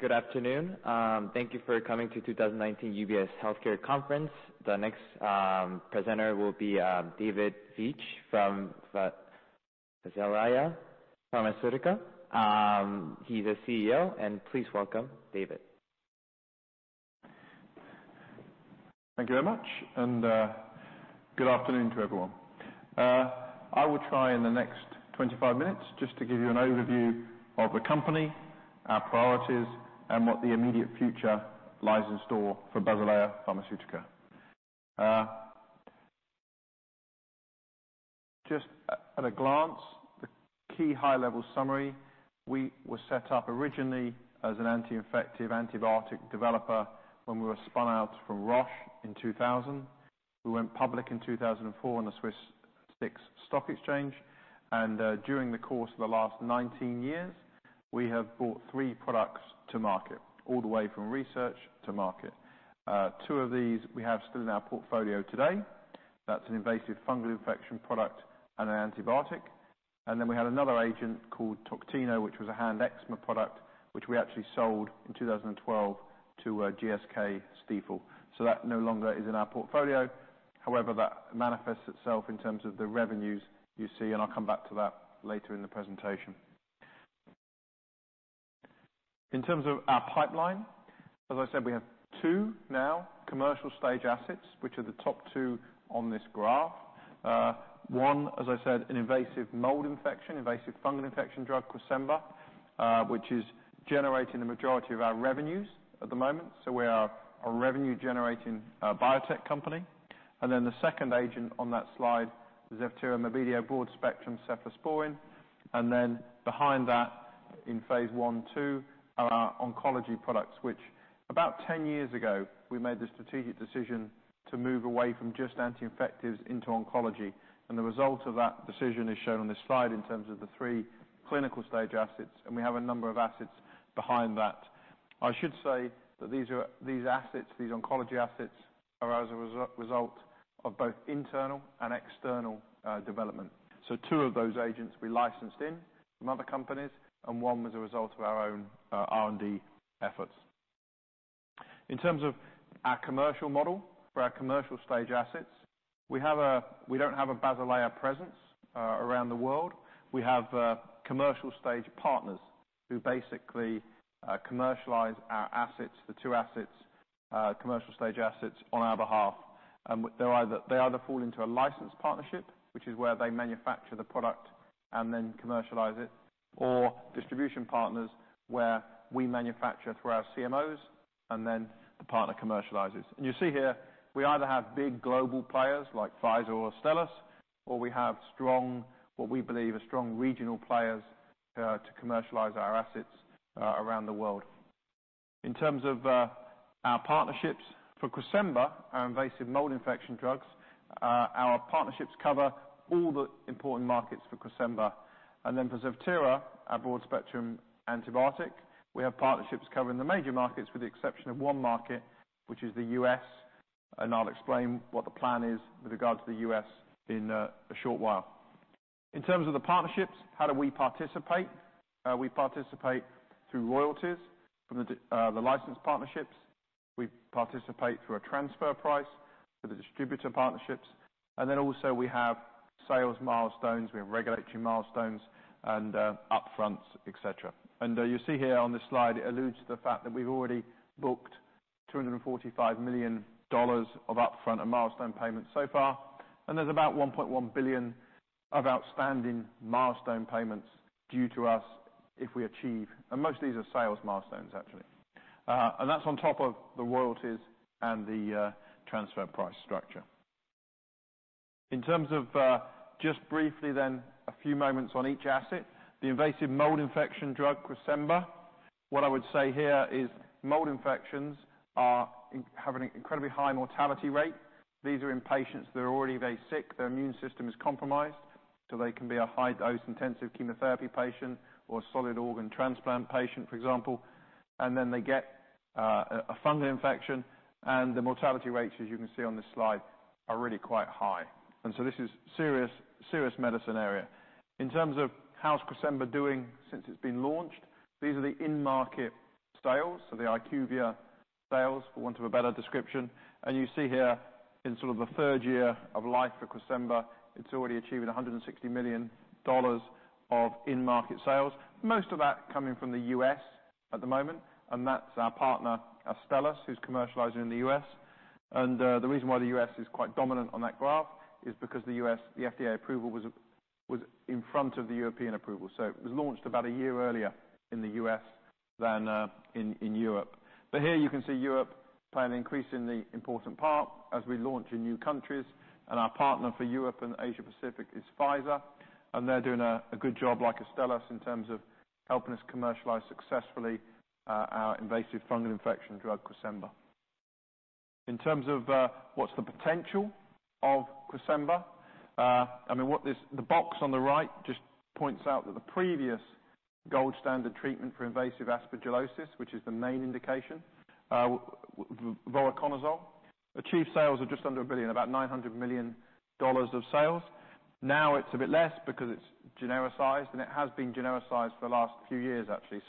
Good afternoon. Thank you for coming to 2019 UBS Healthcare Conference. The next presenter will be David Veitch from Basilea Pharmaceutica. He is the CEO. Please welcome David. Thank you very much. Good afternoon to everyone. I will try in the next 25 minutes just to give you an overview of the company, our priorities, and what the immediate future lies in store for Basilea Pharmaceutica. Just at a glance, the key high-level summary. We were set up originally as an anti-infective, antibiotic developer when we were spun out from Roche in 2000. We went public in 2004 on the SIX Swiss Exchange. During the course of the last 19 years, we have brought three products to market, all the way from research to market. Two of these we have still in our portfolio today. That is an invasive fungal infection product and an antibiotic. We had another agent called Toctino, which was a hand eczema product, which we actually sold in 2012 to GSK Stiefel. That no longer is in our portfolio. However, that manifests itself in terms of the revenues you see. I will come back to that later in the presentation. In terms of our pipeline, as I said, we have two now commercial-stage assets, which are the top two on this graph. One, as I said, an invasive mold infection, invasive fungal infection drug, Cresemba, which is generating the majority of our revenues at the moment. We are a revenue-generating biotech company. The second agent on that slide, ceftobiprole, broad-spectrum cephalosporin. Behind that, in phase I/II, are our oncology products, which about 10 years ago, we made the strategic decision to move away from just anti-infectives into oncology. The result of that decision is shown on this slide in terms of the three clinical stage assets. We have a number of assets behind that. I should say that these assets, these oncology assets, are as a result of both internal and external development. Two of those agents we licensed in from other companies. One was a result of our own R&D efforts. In terms of our commercial model for our commercial stage assets, we do not have a Basilea presence around the world. We have commercial stage partners who basically commercialize our assets, the two assets, commercial stage assets, on our behalf. They either fall into a licensed partnership, which is where they manufacture the product and then commercialize it, or distribution partners, where we manufacture through our CMOs and then the partner commercializes. You see here, we either have big global players like Pfizer or Astellas, or we have what we believe are strong regional players to commercialize our assets around the world. In terms of our partnerships for Cresemba, our invasive mold infection drugs, our partnerships cover all the important markets for Cresemba. Then for Zevtera, our broad-spectrum antibiotic, we have partnerships covering the major markets with the exception of one market, which is the U.S. I'll explain what the plan is with regard to the U.S. in a short while. In terms of the partnerships, how do we participate? We participate through royalties from the license partnerships. We participate through a transfer price for the distributor partnerships. Also we have sales milestones, we have regulatory milestones and up-fronts, et cetera. You see here on this slide, it alludes to the fact that we've already booked CHF 245 million of up-front and milestone payments so far. There's about 1.1 billion of outstanding milestone payments due to us if we achieve. Most of these are sales milestones, actually. That's on top of the royalties and the transfer price structure. In terms of, just briefly then, a few moments on each asset. The invasive mold infection drug, Cresemba. What I would say here is mold infections have an incredibly high mortality rate. These are in patients that are already very sick. Their immune system is compromised, so they can be a high-dose intensive chemotherapy patient or a solid organ transplant patient, for example. Then they get a fungal infection, and the mortality rates, as you can see on this slide, are really quite high. So this is serious medicine area. In terms of how's Cresemba doing since it's been launched, these are the in-market sales, so the IQVIA sales, for want of a better description. You see here in sort of the third year of life for Cresemba, it's already achieving CHF 160 million of in-market sales. Most of that coming from the U.S. at the moment. That's our partner, Astellas, who's commercializing in the U.S. The reason why the U.S. is quite dominant on that graph is because the U.S., the FDA approval was in front of the European approval. So it was launched about a year earlier in the U.S. than in Europe. Here you can see Europe playing an increasingly important part as we launch in new countries. Our partner for Europe and Asia Pacific is Pfizer, and they're doing a good job like Astellas in terms of helping us commercialize successfully our invasive fungal infection drug, Cresemba. In terms of what's the potential of Cresemba, the box on the right just points out that the previous gold standard treatment for invasive aspergillosis, which is the main indication, voriconazole, achieved sales of just under a billion, about CHF 900 million of sales. Now it's a bit less because it's genericized, and it has been genericized for the last few years, actually.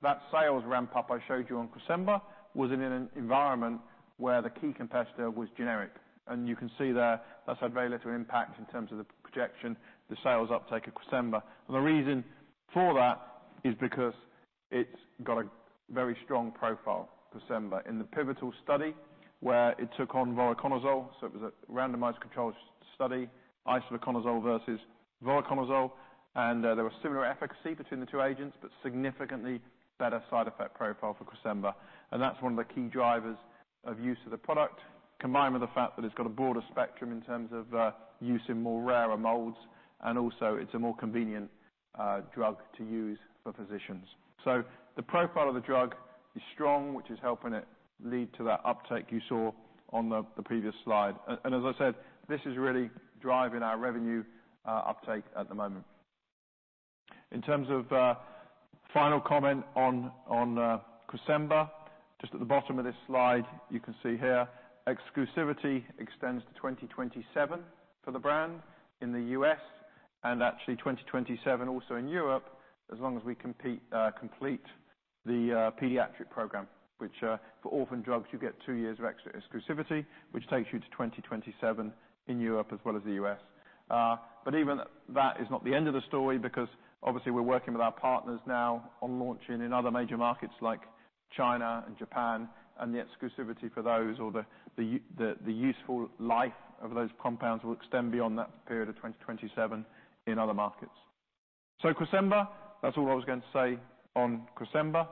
That sales ramp-up I showed you on Cresemba was in an environment where the key competitor was generic. You can see there, that's had very little impact in terms of the projection, the sales uptake of Cresemba. The reason for that is because it's got a very strong profile, Cresemba. In the pivotal study, where it took on voriconazole, so it was a randomized control study, isavuconazole versus voriconazole. There was similar efficacy between the two agents, but significantly better side effect profile for Cresemba. That's one of the key drivers of use of the product, combined with the fact that it's got a broader spectrum in terms of use in more rarer molds, and also it's a more convenient drug to use for physicians. The profile of the drug is strong, which is helping it lead to that uptake you saw on the previous slide. As I said, this is really driving our revenue uptake at the moment. In terms of final comment on Cresemba, just at the bottom of this slide, you can see here, exclusivity extends to 2027 for the brand in the U.S. and actually 2027 also in Europe, as long as we complete the pediatric program, which for orphan drugs you get two years of extra exclusivity, which takes you to 2027 in Europe as well as the U.S. Even that is not the end of the story, because obviously we're working with our partners now on launching in other major markets like China and Japan, and the exclusivity for those or the useful life of those compounds will extend beyond that period of 2027 in other markets. Cresemba, that's all I was going to say on Cresemba.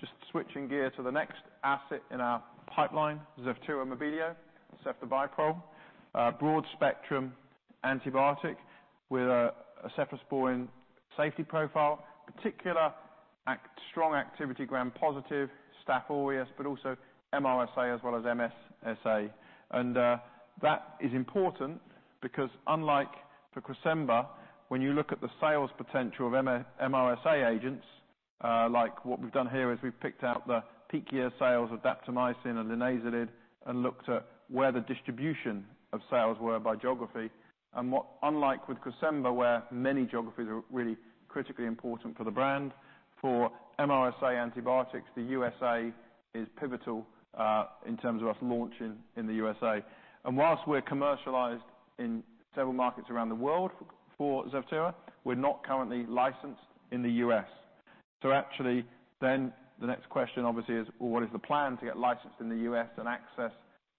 Just switching gear to the next asset in our pipeline, Zevtera/Mabelio, ceftobiprole. Broad-spectrum antibiotic with a cephalosporin safety profile. Particular strong activity, gram-positive, Staph aureus, but also MRSA as well as MSSA. That is important because unlike for Cresemba, when you look at the sales potential of MRSA agents, like what we've done here is we've picked out the peak year sales of daptomycin and linezolid and looked at where the distribution of sales were by geography. Unlike with Cresemba, where many geographies are really critically important for the brand, for MRSA antibiotics, the U.S.A. is pivotal, in terms of us launching in the U.S.A. Whilst we're commercialized in several markets around the world for Zevtera, we're not currently licensed in the U.S. Actually, then the next question obviously is, well, what is the plan to get licensed in the U.S. and access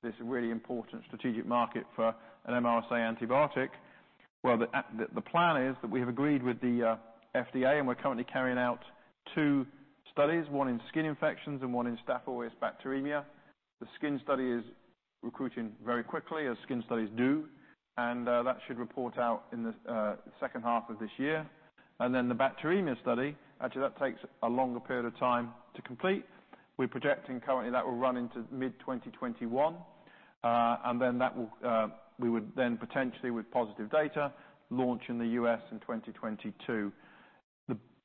this really important strategic market for an MRSA antibiotic? The plan is that we have agreed with the FDA, and we're currently carrying out two studies, one in skin infections and one in Staph aureus bacteremia. The skin study is recruiting very quickly, as skin studies do. That should report out in the second half of this year. Then the bacteremia study, actually that takes a longer period of time to complete. We're projecting currently that will run into mid-2021. Then we would then potentially, with positive data, launch in the U.S. in 2022.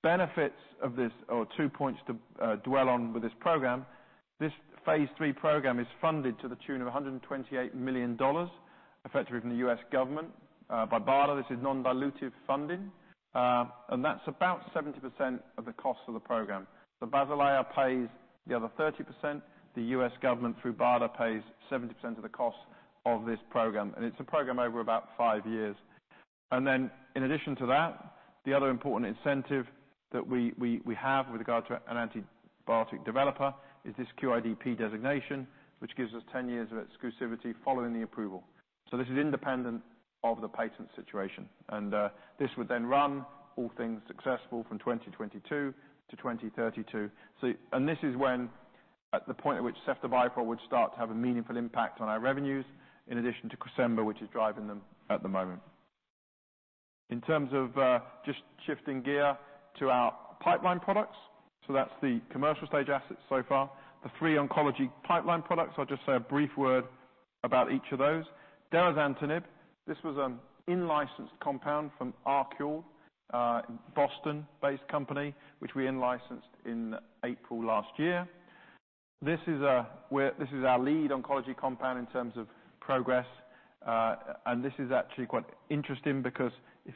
The benefits of this, or two points to dwell on with this program, this phase III program is funded to the tune of $128 million, effectively from the U.S. government, by BARDA. This is non-dilutive funding. That's about 70% of the cost of the program. Basilea pays the other 30%. The U.S. government, through BARDA, pays 70% of the cost of this program. It's a program over about five years. Then in addition to that, the other important incentive that we have with regard to an antibiotic developer is this QIDP designation, which gives us 10 years of exclusivity following the approval. This is independent of the patent situation. This would then run, all things successful, from 2022 to 2032. This is when, at the point at which ceftobiprole would start to have a meaningful impact on our revenues, in addition to Cresemba, which is driving them at the moment. Just shifting gear to our pipeline products, so that's the commercial stage assets so far. The three oncology pipeline products, I'll just say a brief word about each of those. Derazantinib, this was an in-licensed compound from ArQule, a Boston-based company, which we in-licensed in April last year. This is our lead oncology compound in terms of progress. This is actually quite interesting because if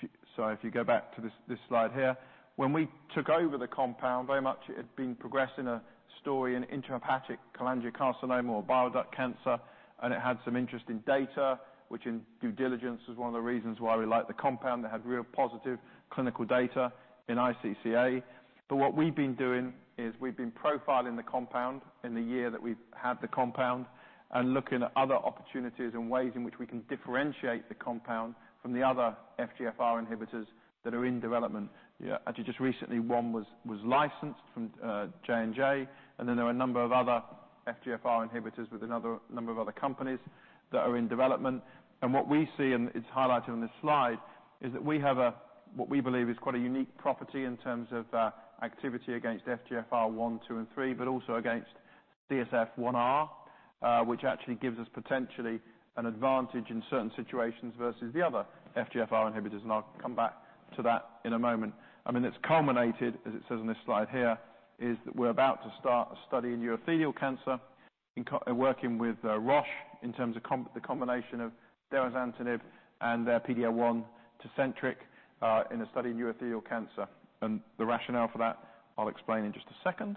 you go back to this slide here. When we took over the compound, very much it had been progressing a story in intrahepatic cholangiocarcinoma or bile duct cancer, and it had some interesting data, which in due diligence was one of the reasons why we liked the compound. It had real positive clinical data in iCCA. What we've been doing is we've been profiling the compound in the year that we've had the compound and looking at other opportunities and ways in which we can differentiate the compound from the other FGFR inhibitors that are in development. Actually, just recently, one was licensed from J&J, and then there are a number of other FGFR inhibitors with another number of other companies that are in development. What we see, and it's highlighted on this slide, is that we have what we believe is quite a unique property in terms of activity against FGFR one, two, and three, but also against CSF1R, which actually gives us potentially an advantage in certain situations versus the other FGFR inhibitors. I'll come back to that in a moment. It's culminated, as it says on this slide here, is that we're about to start a study in urothelial cancer working with Roche in terms of the combination of derazantinib and their PD-L1 TECENTRIQ, in a study in urothelial cancer. The rationale for that, I'll explain in just a second.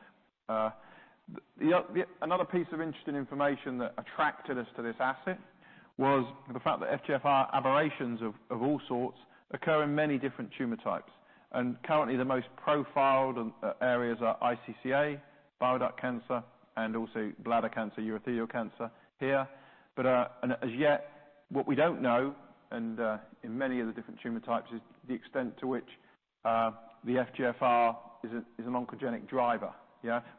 Another piece of interesting information that attracted us to this asset was the fact that FGFR aberrations of all sorts occur in many different tumor types, and currently the most profiled areas are iCCA, bile duct cancer, and also bladder cancer, urothelial cancer here. As yet, what we don't know, and in many of the different tumor types, is the extent to which the FGFR is an oncogenic driver.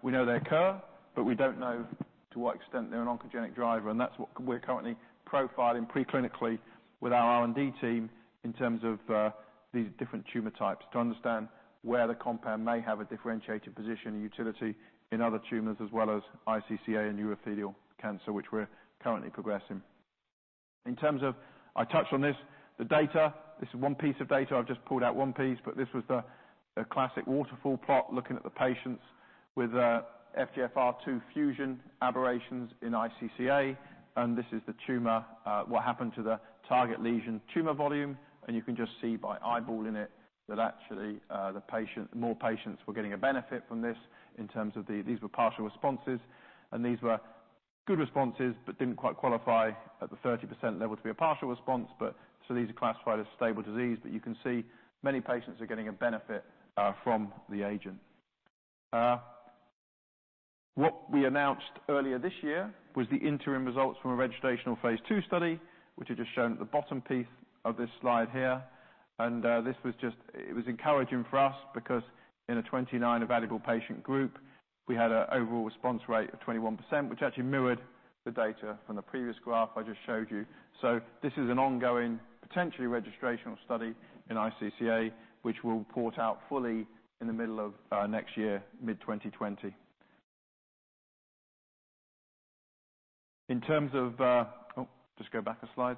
We know they occur, but we don't know to what extent they're an oncogenic driver, and that's what we're currently profiling pre-clinically with our R&D team in terms of these different tumor types to understand where the compound may have a differentiated position and utility in other tumors as well as iCCA and urothelial cancer, which we're currently progressing. In terms of, I touched on this, the data. This is one piece of data. I've just pulled out one piece, this was the classic waterfall plot, looking at the patients with FGFR2 fusion aberrations in iCCA, and this is the tumor, what happened to the target lesion tumor volume. You can just see by eyeballing it that actually more patients were getting a benefit from this in terms of, these were partial responses and these were good responses, didn't quite qualify at the 30% level to be a partial response, so these are classified as stable disease. You can see many patients are getting a benefit from the agent. What we announced earlier this year was the interim results from a registrational phase II study, which are just shown at the bottom piece of this slide here. It was encouraging for us because in a 29 evaluable patient group, we had an overall response rate of 21%, which actually mirrored the data from the previous graph I just showed you. This is an ongoing, potentially registrational study in iCCA, which we'll report out fully in the middle of next year, mid-2020. In terms of, just go back a slide.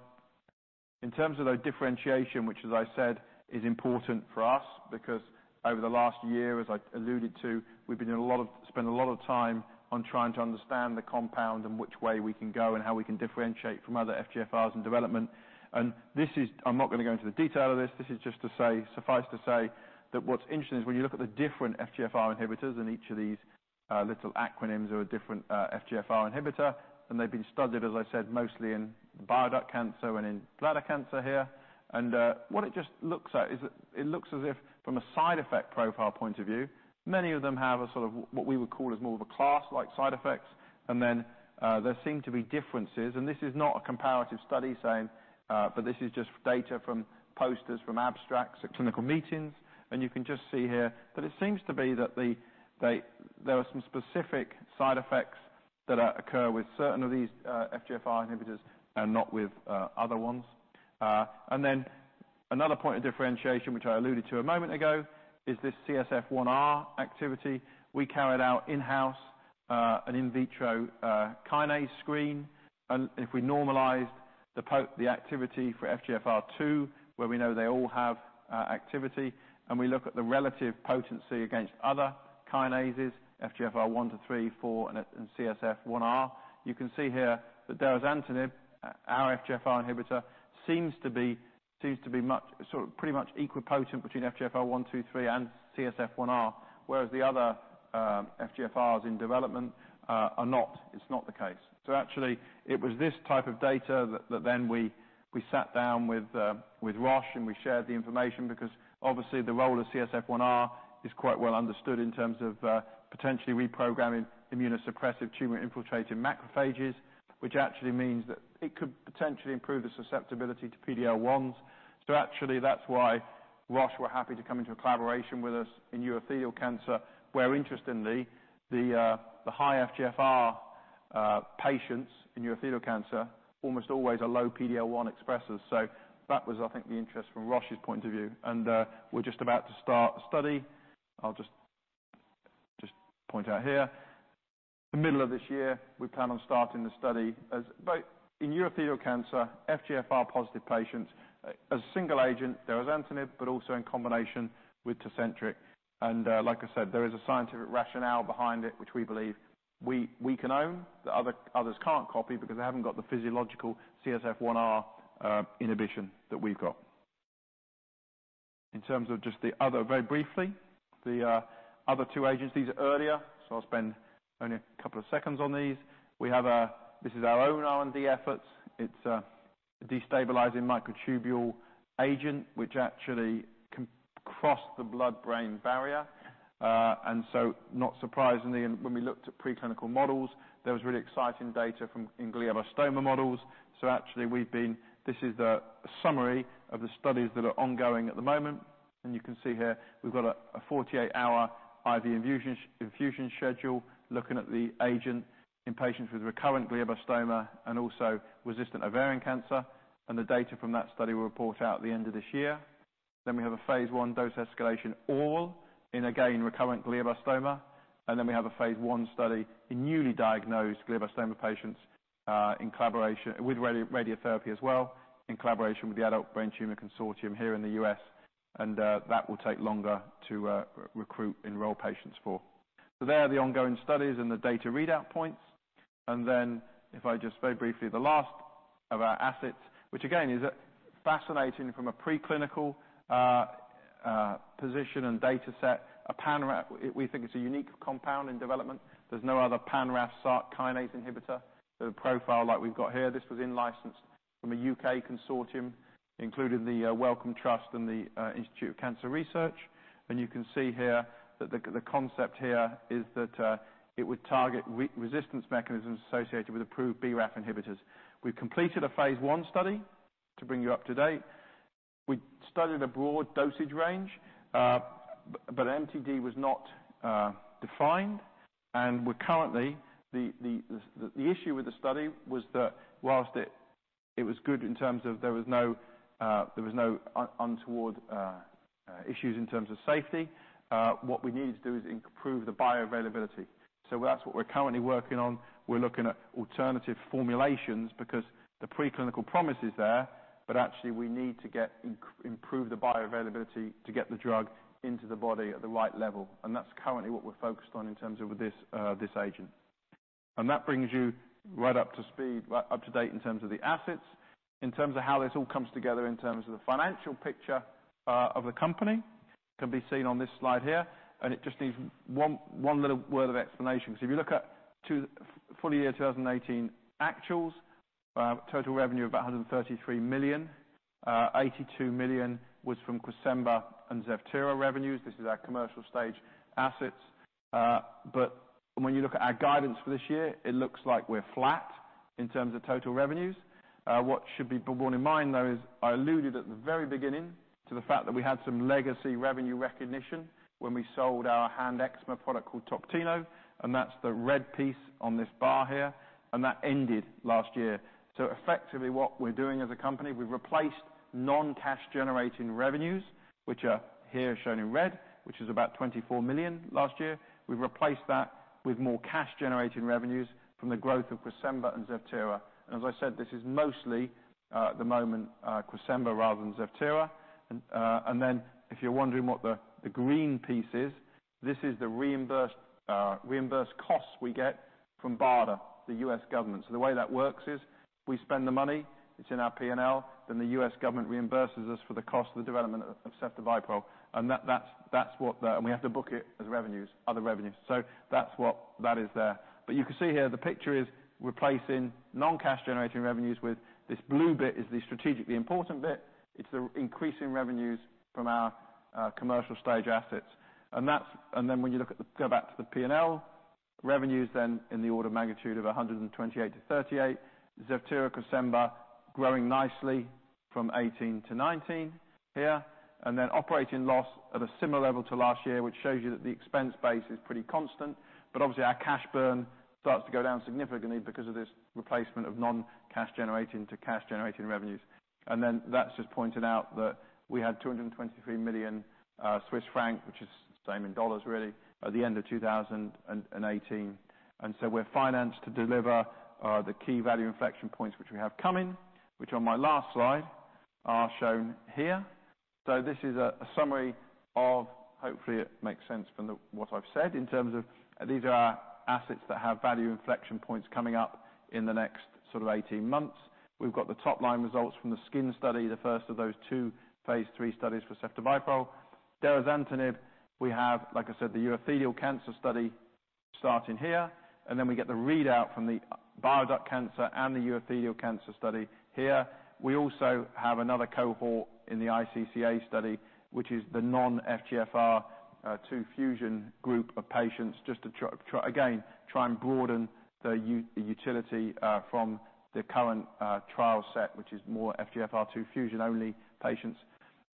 In terms of the differentiation, which as I said, is important for us because over the last year, as I alluded to, we've been spending a lot of time on trying to understand the compound and which way we can go and how we can differentiate from other FGFRs in development. I'm not going to go into the detail of this. This is just to say, suffice to say, that what's interesting is when you look at the different FGFR inhibitors in each of these little acronyms or a different FGFR inhibitor, they've been studied, as I said, mostly in bile duct cancer and in bladder cancer here. What it just looks at is, it looks as if from a side effect profile point of view, many of them have a sort of what we would call is more of a class-like side effect. There seem to be differences, this is not a comparative study saying, this is just data from posters, from abstracts at clinical meetings. You can just see here that it seems to be that there are some specific side effects that occur with certain of these FGFR inhibitors and not with others ones. Then another point of differentiation, which I alluded to a moment ago, is this CSF1R activity. We carried out in-house, an in vitro kinase screen. If we normalized the activity for FGFR2, where we know they all have activity, we look at the relative potency against other kinases, FGFR one to three, four, and CSF1R. You can see here that derazantinib, our FGFR inhibitor, seems to be pretty much equipotent between FGFR one, two, three and CSF1R, whereas the other FGFRs in development are not. It's not the case. Actually, it was this type of data that then we sat down with Roche and we shared the information because obviously the role of CSF1R is quite well understood in terms of potentially reprogramming immunosuppressive tumor-infiltrated macrophages, which actually means that it could potentially improve the susceptibility to PD-L1s. Actually that's why Roche were happy to come into a collaboration with us in urothelial cancer, where interestingly, the high FGFR patients in urothelial cancer almost always are low PD-L1 expressers. That was, I think, the interest from Roche's point of view. We're just about to start a study. I'll just point out here. The middle of this year, we plan on starting the study in urothelial cancer, FGFR-positive patients, as a single agent, derazantinib, but also in combination with TECENTRIQ. Like I said, there is a scientific rationale behind it, which we believe we can own, that others can't copy because they haven't got the physiological CSF1R inhibition that we've got. In terms of just the other, very briefly, the other two agents, these are earlier, so I'll spend only a couple of seconds on these. This is our own R&D efforts. It's a destabilizing microtubule agent, which actually can cross the blood-brain barrier. Not surprisingly, when we looked at preclinical models, there was really exciting data from glioblastoma models. Actually, this is the summary of the studies that are ongoing at the moment, and you can see here we've got a 48-hour IV infusion schedule looking at the agent in patients with recurrent glioblastoma and also resistant ovarian cancer. The data from that study will report out at the end of this year. Then we have a phase I dose escalation all in, again, recurrent glioblastoma. Then we have a phase I study in newly diagnosed glioblastoma patients, with radiotherapy as well, in collaboration with the Adult Brain Tumor Consortium here in the U.S., and that will take longer to recruit, enroll patients for. There are the ongoing studies and the data readout points. If I just very briefly, the last of our assets, which again, is fascinating from a preclinical position and data set. A pan-RAF, we think it's a unique compound in development. There's no other pan-RAF/SRC kinase inhibitor with a profile like we've got here. This was in-licensed from a U.K. consortium, including the Wellcome Trust and the Institute of Cancer Research. You can see here that the concept here is that it would target resistance mechanisms associated with approved BRAF inhibitors. We've completed a phase I study to bring you up to date. We studied a broad dosage range, but MTD was not defined. The issue with the study was that whilst it was good in terms of there was no untoward issues in terms of safety, what we need to do is improve the bioavailability. That's what we're currently working on. We're looking at alternative formulations because the preclinical promise is there, but actually we need to improve the bioavailability to get the drug into the body at the right level. That's currently what we're focused on in terms of this agent. That brings you right up to speed, up to date in terms of the assets. In terms of how this all comes together in terms of the financial picture of the company can be seen on this slide here, and it just needs one little word of explanation. If you look at full year 2018 actuals, total revenue of 133 million, 82 million was from Cresemba and XERIVA revenues. This is our commercial stage assets. When you look at our guidance for this year, it looks like we're flat in terms of total revenues. What should be borne in mind, though, is I alluded at the very beginning to the fact that we had some legacy revenue recognition when we sold our hand eczema product called Toctino, that's the red piece on this bar here. That ended last year. Effectively what we're doing as a company, we've replaced non-cash generating revenues, which are here shown in red, which is about 24 million last year. We've replaced that with more cash generating revenues from the growth of Cresemba and XERIVA. As I said, this is mostly at the moment, Cresemba rather than XERIVA. If you're wondering what the green piece is, this is the reimbursed costs we get from BARDA, the U.S. government. The way that works is we spend the money, it's in our P&L, then the U.S. government reimburses us for the cost of the development of ceftobiprole. We have to book it as revenues, other revenues. That's what that is there. You can see here the picture is replacing non-cash generating revenues with this blue bit is the strategically important bit. It's the increasing revenues from our commercial stage assets. When you go back to the P&L, revenues then in the order of magnitude of 128 million to 138 million. XERIVA, Cresemba growing nicely from 2018 to 2019 here. Operating loss at a similar level to last year, which shows you that the expense base is pretty constant. Obviously our cash burn starts to go down significantly because of this replacement of non-cash generating to cash generating revenues. That's just pointed out that we had 223 million Swiss francs, which is the same in dollars really, at the end of 2018. We're financed to deliver the key value inflection points which we have coming, which on my last slide are shown here. This is a summary of, hopefully it makes sense from what I've said in terms of these are our assets that have value inflection points coming up in the next sort of 18 months. We've got the top line results from the skin study, the first of those two phase III studies for ceftobiprole. Derazantinib we have, like I said, the urothelial cancer study starting here, we get the readout from the bile duct cancer and the urothelial cancer study here. We also have another cohort in the iCCA study, which is the non-FGFR2 fusion group of patients, just to, again, try and broaden the utility from the current trial set, which is more FGFR2 fusion only patients.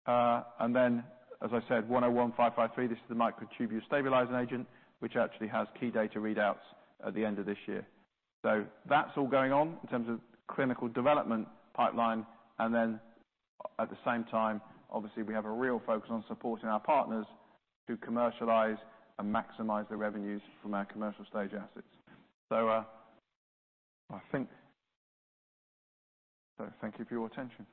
As I said, BAL101553, this is the microtubule stabilizing agent, which actually has key data readouts at the end of this year. That's all going on in terms of clinical development pipeline. At the same time, obviously we have a real focus on supporting our partners to commercialize and maximize their revenues from our commercial stage assets. I think thank you for your attention.